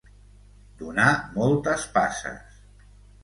Donar moltes passes.